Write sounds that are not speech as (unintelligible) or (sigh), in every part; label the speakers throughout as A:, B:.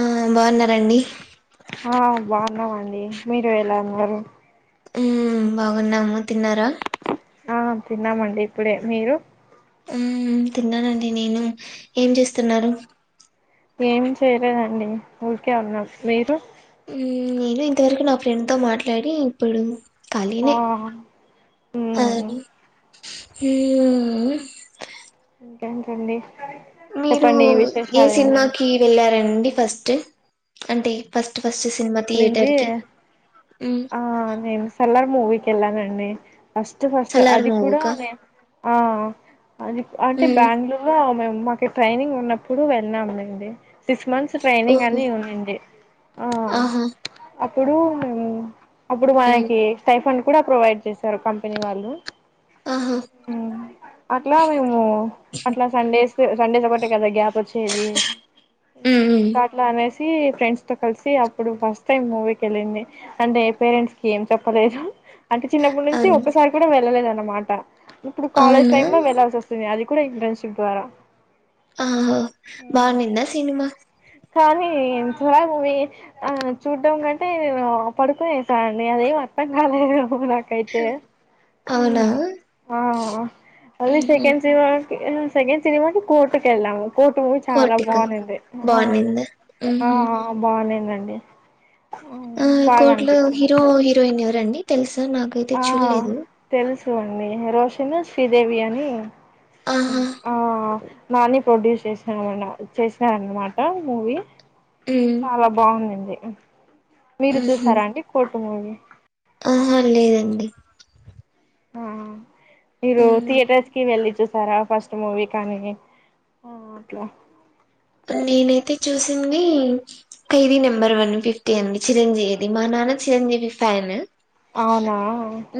A: ఆ బావున్నారా అండి
B: ఉన్నాామండి మీరు ఎలా ఉన్నారు
A: హ్మ్ బాగున్నాము తిన్నారా
B: ఆ తిన్నామండి ఇప్పుడే మీరు
A: హ్మ్ తిన్నానండి నేను ఏం చేస్తున్నారు
B: ఏం చేయలేదండి ఊరికే ఉన్నాం మీరు
A: మ్ నేను ఇంతవరకు నా ఫ్రెండ్ తో మాట్లాడి ఇప్పుడు కలిగనే
B: ఆ
A: ఆ
B: మ్మ్
A: మ్
B: ఇంకేంటండి.
A: మీరు
B: చెప్పండి
A: ఏ
B: విశేషాలు ఏంటి
A: సినిమాకి వెళ్లారండి ఫస్ట్ స్ట్ అంటే ఫస్ట్ ఫస్ట్ సినిమా
B: వెళ్లింది
A: థియేటర్ కి మ్మ్
B: ఆ నేన్ సాలార్ మూవీకెల్ల నండి ఫస్ట్ ఫస్ట్
A: సలార్
B: అది కూడా
A: మూవీకా
B: మేం ఆ అది అంటే
A: మ్మ్
B: బెంగళూరు మేము మాకే ట్రైనింగ్ ఉన్నప్పుడు వెళ్ళాము అండి సిక్స్ మంత్స్ ట్రైనింగ్
A: ఓహో
B: అని ఉన్నింది
A: ఆహా
B: అప్పుడూ మేము అప్పుడు
A: మ్మ్
B: మనకి స్టైఫండ్ కూడా ప్రొవైడ్ చేశారు కంపెనీ వాళ్ళు
A: ఆహా
B: అట్లా మేము అట్లా సండేస్ సండేస్ ఒకటే కదా గ్యాప్ వచ్చేది
A: మ్మ్ మ్మ్
B: అట్లా అనేస్ సీ ఫ్రెండ్స్తో కలిసి అప్పుడు ఫస్ట్ టైం మూవీకెళ్ళింది. అంటే పేరెంట్స్కి ఏం చెప్పలేదు. అంటే చిన్నప్పటి నుంచి
A: అవును
B: ఒక్కసారి కూడా వెళ్ళలేదన్న మాట. ఇప్పుడు కాలేజ్
A: అవునా
B: టైమ్లో వెళ్లాల్సి వస్తది అది కూడా ఇంటర్న్షిప్ ద్వారా
A: ఆహో బాగునిందా సినిమా
B: కానీ సాలార్ మూవీ ఆ చూడ్డం కంటే నేను పడుకునే అండి అదేం అర్థం కాలేదు. పో నాకైతే
A: అవునా
B: ఆ మళ్ళీ
A: మ్మ్
B: సెకండ్ సినిమా సెకండ్ సినిమాకి కోర్టు కెళ్ళము. కోర్టు మూవీ చాలా
A: కోటిక
B: బాగునింది.
A: బాగుండిందా
B: ఆ
A: ఊహు
B: బాగుండేనం డి
A: ఆ కోర్ట్ లో హీరో హీరోయిన్ ఎవరండి. తెల్స్
B: ఆ తెల్సు అండి రోషన్ శ్రీదేవి అని
A: ఆహా
B: ఉమ్ ఆ నాని ప్రొడ్యూస్ చేసినారన చేసారనమాట మూవీ
A: ఉమ్
B: చాలా బాగుందండి మీరు
A: ఊహు
B: చూసారా అండి కోర్టు మూవీ
A: ఆహా లేదండి
B: ఆ మీరు
A: ఉమ్
B: థయేటర్స్ కి వెళ్ళి చూస్తూ తారా ఫస్ట్ మూవీ కానీ అ అట్లా
A: నేనైతే చూసింది ఖైదీ నెంబర్ వన్ ఫిఫ్టీ అండి చిరంజీవిది మా నాన్న చిరంజీవి ఫ్యాన్
B: అవునా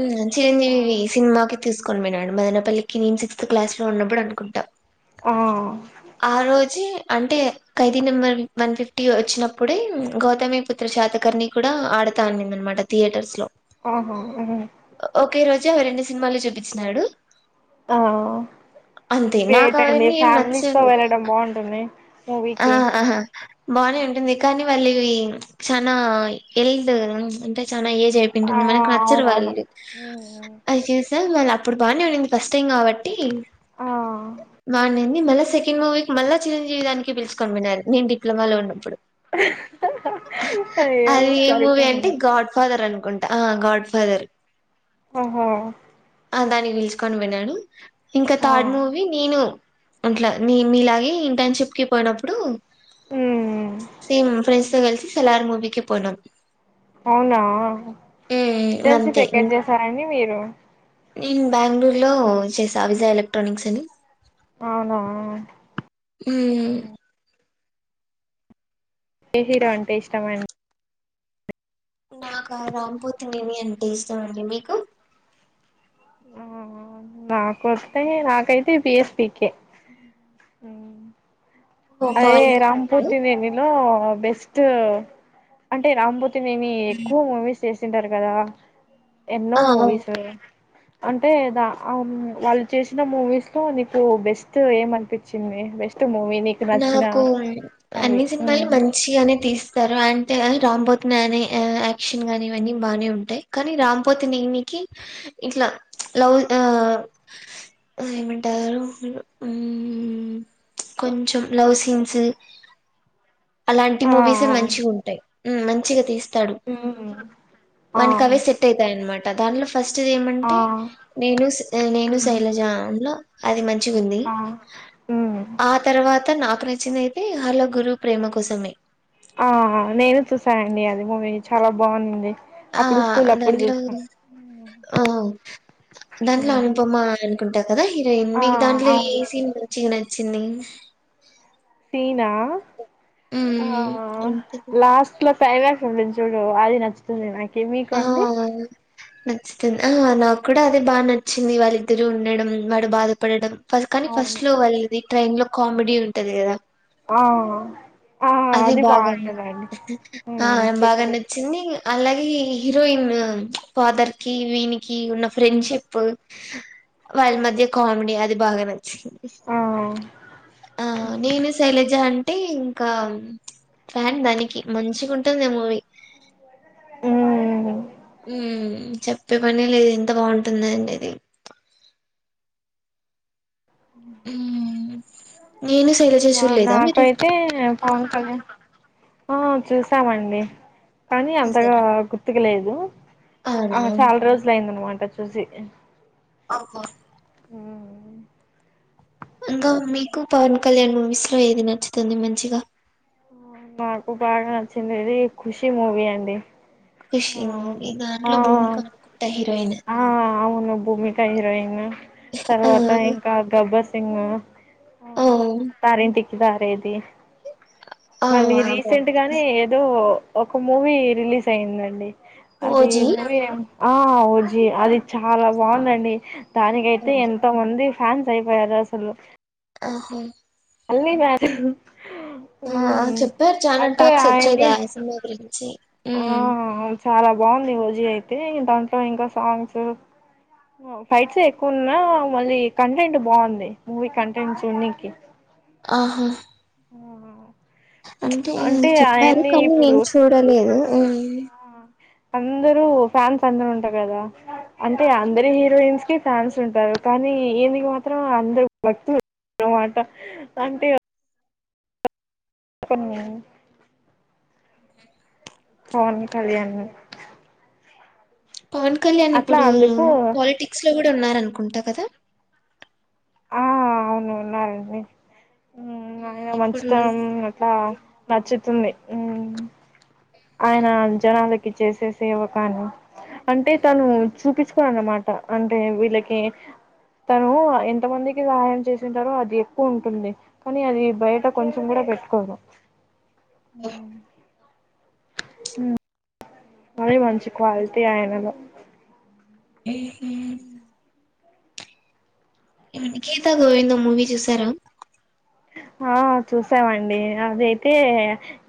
A: ఉమ్ చిరంజీవి వి సినిమాకి తీసుకు కొన్ని మీ నాయనా మదనపల్లికి నేను సిక్స్త్ క్లాస్ లో ఉన్నప్పుడు అనుకుంటా
B: ఆ
A: ఆ రోజే అంటే ఖైదీ నెంబర్ వన్ ఫిఫ్టీ వచ్చినప్పుడే గౌతమి పుత్ర శాతకర్ని కూడా ఆడతా అనింద అన్నమాట థియేటర్స్ లో
B: ఆహా ఓహ
A: చూసే రెండు సినిమాలు చూపించినాడు
B: ఆ
A: అంతే నాకు
B: ఏటండి
A: అవన్నీ ఏం
B: ఫ్యామిలీ తో
A: నచ్చవు
B: వెళ్ళడం బాగుంటుంది
A: ఆ
B: మూవీకి
A: ఆహా బాగానే ఉంటుంది కానీ అలి చానా ఎల్డ అంట తన ఏజ్ అయిపోయి
B: ఆ
A: ఉంటుంది మనకు నచ్చరు
B: అవునవును
A: వాళ్ళు అది చదు మాళ్ళ అప్పుడు బానే ఉన్నంది ఫస్ట్ టైం కాబట్టి
B: ఆ
A: బాగుండింది మళ్ళా సెకండ్ మూవీ మళ్ళా చిరంజీగారిని పిలుచుకొని పోయిన్నారు. నేను డిప్లొమా లో ఉన్నప్పుడు
B: అయే సరిపోయింది
A: అంట ఆ గాడ్ ఫాదర్
B: ఆహో
A: ఆ దాన్ని పీలుచుకొని వెళ్ళను ఇంకా
B: ఆ
A: థర్డ్ మూవీ నేను ఉంట్లా మీ మీలాగే ఇంటర్న్షిప్ కి పోయినప్పుడు
B: ఉమ్
A: సేమ్ ఫ్రెండ్స్ తో కలి సలార్ మూవికి పోయినం
B: అవునా
A: మ్
B: ఇంటర్న్షిప్
A: అంతే
B: ఎక్కడ చేసారండి మీరు
A: నేను బెంగళూరులో చేసా విజయ్ ఎలక్ట్రానిక్స్ అని
B: అవునా
A: మ్
B: ఏ హీరో అంటే ఇష్టమ అండి
A: నాక రామ్ పోతినేని అంటే ఇష్టంమండి మీకు
B: నాకు వస్తే నాకైతే పి ఎస్ పి కె
A: ఓ
B: అదే
A: పవన్
B: రామ్
A: కళ్యాణ్
B: పోతినేని లో బెస్ట్ అంటే రామ్ పోతి నేని ఎక్కువ మూవీస్ చేసింటారు కదా ఎన్నో
A: ఆ ఆ
B: మూవీస్ అంటేద వాళ్ళు చేసిన మూవీస్ లో నీకు బెస్ట్ ఏమీ అనిపించింది బెస్ట్ మూవీ నీకు నచ్చిన
A: నాకు
B: మూవీ
A: అన్ని సినిమాలు
B: ఉమ్
A: మంచిగానే తీస్త స్తారు అంటే రామ్ పోతినేని అనే యాక్షన్ గానీ ఇవన్నీ బాగానే ఉంటాయి కానీ రామ్ పోతినేని కి ఇట్లా లవ్ ఏమంటారు కొంచం లవ్ సీన్స్ అలాంటి
B: ఆ
A: మూవీస్ మంచిగా ఉంటాయి మంచి చ్చిగ తీ స్తడు
B: ఉమ్ ఆ
A: వన్ కవే సెట్ అవుతాయి అనమాట ప్రధాలు ఫస్ట్ది
B: ఆ
A: ఏమంటే నేను నేను శైలజంలో అది మంచి మంచిగ ఉంది
B: ఆ ఉమ్
A: తర్వాత నాకు నచ్చినయితే హలో గురువు ప్రేమ కోసమే
B: ఆ నేను చూసానండి అది మూవీ చాలా బాగుంది
A: ఆ
B: అప్పుడు స్కూల్ అప్పుడు
A: దాంట్లో
B: చూసాం
A: దాంట్లో
B: ఉమ్
A: అనుపమ కుంట కదా హీరోయిన్
B: ఆ
A: మీకు దాంట్లో ఏ
B: అవును
A: సీన్ మంచిగా న చింది
B: సీనా ఆ
A: హ్మ్. అంతేనా
B: లాస్ట్ల క్లైమాక్ ఉంది చూడు అది నచ్చుతుంది నాకు ఏమి అండి
A: ఆ! నచ్చుతుంది ఆ నాకు కూడా అదే బాగా నచ్చింది వాళ్ళిద్దరూ ఉండడం వాడు బాధపడడం ఫ కానీ ఫస్ట్
B: అవును
A: లో వల్ది ట్రైన్ లో కామెడీ ఉంటంది కదా
B: ఆ ఆ
A: అది బాగా ఉంది.
B: బాగుంటదండి
A: ఆ
B: ఉమ్
A: బాగా
B: గుర్తుకొచ్చింది
A: నచ్చింది అలాగే హీరోయిన్ ఫాదర్ కి వీనికి ఉన్న ఫ్రెండ్షిప్ వాళ్ళ మధ్య కామెడీ అది బాగా నచ్ చ్చింది.
B: ఆ
A: ఆ నేను శైలజ అంటే ఇంకా ఫ్యాన్ దానికి మంచిగా ఉంటుంది. ఆ మూవీ
B: హ్
A: ఉ చెప్పే పని లేదు. ఎంత బాగుంటుందండి అది ఉమ్ నేను శైలజ
B: మా
A: చూడలేదా మీరు
B: నాకైతే పవన్ కళ్యాణ్ ఆ చూసామండి కానీ అంతగా
A: చూసారా
B: గుర్తుకు లేదు. ఆ
A: అవునా
B: చాలా రోజులు అయిందన్న మాట చూసి
A: ఓహో
B: ఉమ్
A: ఇంకా మీకు పవన్ కళ్యాణ్ మూవీస్ లో ఏది నచ్చుతుంది. మంచిగా
B: మాకు బాగా నచ్చింది ఇది ఖుషి మూవీ అండి.
A: ఖుషీ
B: ఆ
A: మూవీ
B: ఆ
A: దాంట్లో భూమిక అనుకుంటా హీరోయిన్
B: ఆ అవును భూమిక హీరోయిన్
A: ఆ
B: (unintelligible)
A: ఓ
B: ఆత్త రేంటి కిదారేది
A: ఆ
B: మళ్ళీ రీసెంట్
A: బాగుంది
B: గానే ఏదో ఒక మూవీ రిలీజ్ అయింది. అండి అది
A: ఓజీ
B: మూవీ ఏమో ఆ ఓజీ అది చాలా బాగుందండి. దానికైతే
A: అవునా?
B: ఎంతోమంది ఫ్యాన్స్ అయిపోయారూ అసలు
A: ఓహో
B: అన్ని గాదు
A: ఆ చెప్పారు. ఛానా
B: అంటే
A: టాక్స్ వోచ్చయి. ఆ సినిమా గురించి ఉమ్
B: ఆవున్ చాలా బాగుంది. ఓజీ అయితే దాంట్లో ఇంకా సాంగ్స్ ఫైట్స్ ఏ ఎక్కువన్నా మళ్ళీ కంటెంట్ బాగుంది. మూవీ కంటెంట్స్ చుడానికి
A: ఆహా అంటే చెప్పారు
B: ఆయన్ని
A: కానీ
B: ఇప్పుడు
A: నేను చూడలేదు. ఆ
B: అందరు ఫ్యాన్స్ అందరు ఉంటారు గా. అంటే అందరి హీరోయిన్స్ కి ఫ్యాన్స్ ఉంటారు. కానీ ఈయనికీ మాత్రం అందరుభక్తులు అన్నమాట అంటే ఇతను
A: అ
B: కళ్యాణ్
A: పవన్ కళ్యాణ్
B: అట్లా
A: ఇప్పుడు
B: అందుకు
A: పాలిటిక్స్ లో కూడా హ్ ఉన్నారనుకుంటా కదా
B: ఆ అవును ఉన్నానండి ఆయన
A: ఉమ్ ఇప్పుడు
B: మంచుతనం అట్లా నచ్చుతుంది ఆయన జనాలకి కి చేసే సేవ కాని అంటే తను చూపిచు అన్నమాట అంటే వీళ్ళకి తను ఎంత మందికి సహాయం చేసింటారో అది ఎక్కువ ఉంటుంది కానీ అది బయట కొంచెం కూడా పెట్టుకోదు హ అదే మంచింది క్వాలిటీ ఆనలో
A: ఏహా గీతా గోవిందం మూవీ చూసారా
B: ఆ చూసామండి అదైతే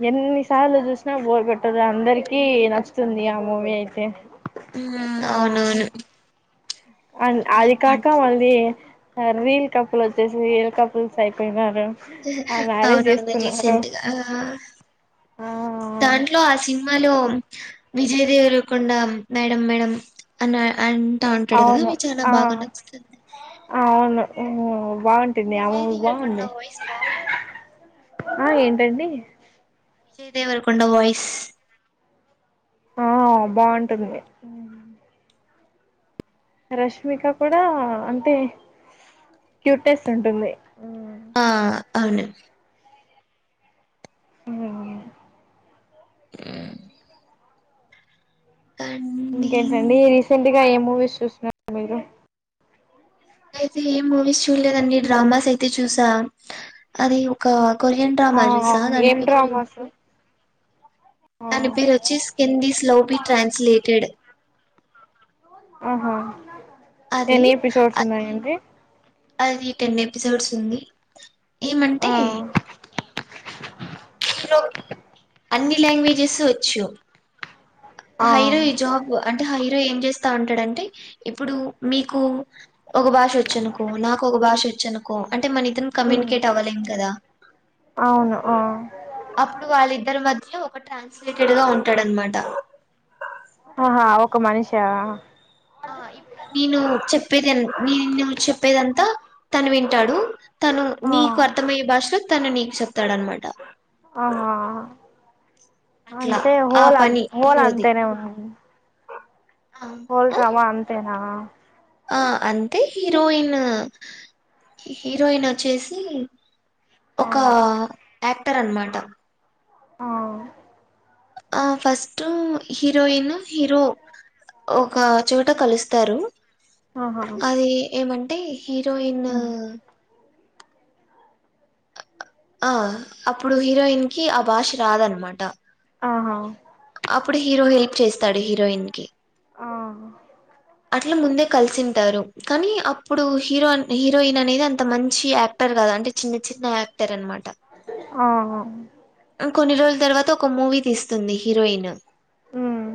B: ఎన్నిసార్లు చూసినా బోర్ కొట్టదు అందరిక నచ్చుతుంది ఆ మూవీ అయితే
A: ఆ అవును అవును
B: అ అది కాక మళ్ళీ రీల్ కప్పులు వచ్చేసి రియల్ కప్పుల్స్ అయిపోయినారు ఆ మ్యారేజ్
A: అవునవును
B: చేసుకున్నారు
A: రీసెంట్గా
B: ఆ
A: దాంట్లో ఆసీ సినిమాలో విజయ్ దేవరకొండ మేడం మేడం అన్న అంటూ అంటాడు కదా
B: అవును
A: మీ చాలా
B: ఆ
A: బాగా నచ్చుతుంది
B: ఉహు బాగుంటా బాగుంటుంది ఆ
A: విజయ్
B: మూవీ
A: దేవరకొండ
B: బాగుంది
A: వాయిస్ బాగుంటుంది కదా
B: ఆ ఏంటండి
A: విజయదేవర కొండ వోయిస్
B: ఆ బాగుంటుంది రష్మిక కూడా అంటే క్యూట్నెస్ ఉంటుంది
A: ఆ అవును
B: మ్
A: ఆ
B: ఇంకేంటండి రీసెంట్ గా ఏం మూవీస్ చూస్తున్నారు మీరు
A: అయితే ఏం మూవీస్ చూడలేదండి డ్రామాస్ అయితే చూసా అది ఒక కొరియన్
B: ఆ
A: డ్రామా చూసా దాని
B: ఏం
A: పేరు
B: డ్రామాస్ ఆ
A: దాని పేరు వచ్చి కిందీ స్ లోబి ట్రాన్స్లేటెడ్
B: ఆహో
A: అది
B: ఎన్ని ఎపిసోడ్స్
A: అది
B: ఉన్నాయండి
A: అది టెన్ ఎపిసోడ్స్ ఉంది. ఏమంటే
B: ఆ
A: హీరోకి అన్ని లాంగ్వేజెస్ వచ్చు
B: ఆ
A: హైరో ఈ జాబ్ అంటే హై ఏం చేస్తా ఉంటాడంటే ఇప్పుడు మీకు ఒక భాష వచ్చినుకో నాకు ఒక భాష వ చ్చనుకో అం టే మన ఇద్దరం
B: మ్
A: కమ్యూనికేట్ అవ్వలేం కదా
B: అవును ఆ
A: అప్పుడు వాళ్ళిద్దరి మధ్య ఒక ట్రాన్స్లేటెడ్ గా ఉంటాడనమాట
B: అహా ఒక మనిషా
A: ఆ ఇప్పుడు నేను చెప్పేది నేను చెప్పేదంతా తను వింటాడు తను
B: ఆ
A: నీకు అర్థమయ్యే భాషలో త ను నీక్ చెప్తాడన్న మాట
B: ఆహా
A: అట్లా
B: అంతే
A: ఆ
B: హోలా అ
A: పని
B: హోల్
A: హీరోది
B: అంతేనే ఉ
A: ఆ
B: హోల్ డ్రామా అంతేనా (inaudible)
A: ఆ అంతే హీరోయిన్ హీరోయిన్ వచ్చేసి
B: ఆ
A: ఒక ఆక్ క్టర్నమాట
B: ఆ
A: ఆ ఫస్ట్ హీరోయిన్ హీరో ఒక చోట కలుస్తారు
B: ఆహా
A: అది ఏమంటే హీరోయిన్
B: ఉమ్
A: ఆ అప్పుడు హీరోయిన్ కి ఆ భాష రాదనమాట
B: ఆహా
A: అప్పుడు హీరో హెల్ప్ చేస్తాడు హీరోయిన్ కి
B: ఆ
A: అట్లా ముందే కలిసి ఉంటారు కానీ అప్పుడు హీరో హీరోయిన్ అనేది అంత మంచి యాక్టర్ కాదు అంటే చిన్న చిన్న యాక్టర్ అనమాట
B: ఆ అ
A: కొన్ని రోజుల తర్వాత ఒక మూవీ తీస్తుంది హీరోయిన్
B: ఉం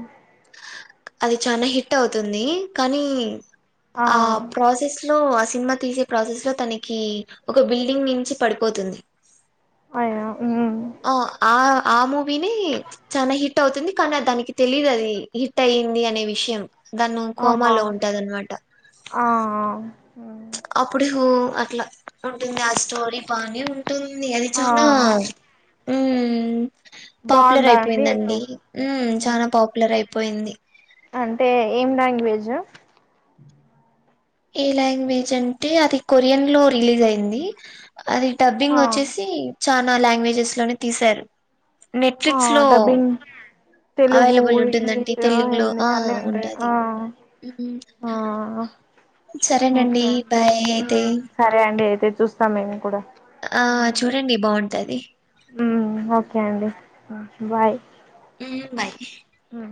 A: అది చనా హిట్ అవుతుంది కానీ ఆ ప్రాసెస్ లో అస్ సినిమా తీసే ప్రాసెస్ లో తనకి ఒక బిల్డింగ్ నుంచి పడిపోతుంది.
B: అయ ఉం
A: ఆ ఆ ఆము వినీ చాన హిట్ హిట్ అవుతుంది కానీ దానికి తెలీదు అది హిట్ అయ్యింది అనే విషయం దాన్నో
B: ఆహా
A: కోమాలో ఉంటది అన్నమాట
B: ఆ
A: అప్పుడు హు అట్లా ఉంటుంది ఆ స్టోరీ పానీ ఉంటుంది అది
B: ఆ
A: చాలా మ్మ్ పాపులర్
B: బాగుందా అండి అయితే
A: అయిపోయిందండి హ్మ్ చానా పాపులర్ అయిపో పోయింది
B: అంటే ఏం లాంగ్వేజ్
A: ఏ లాంగ్వేజ్ అంటే అది కొరియన్ లో రిలీజ్ అయింది అది డబ్బింగ్
B: ఆ
A: వచ్చేసి ప్చ్ చానా లాంగ్వేజెస్ లోనే తీశారు నెట్
B: ఆ
A: ఫ్లిక్స్ లో
B: డబ్బింగ్ తెలుగు
A: అవైలబుల్ ఉంటుందండి
B: ఇంగ్లీష్
A: తెలుగులో
B: హిందీ అన్నీ ఉంటాయి ఆ ఆ ఓకే అండి సరే అండి అయితే చూస్తాం మేము కూడా
A: ఆ చూడండి బాగుంటు అతది
B: ఓకే అండి బాయ్
A: ఉమ్ బాయ్
B: ఆ